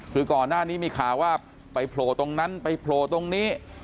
คือก่อนหน้านี้มีข่าวว่าไปโผล่ตรงนั้นไปโผล่ตรงนี้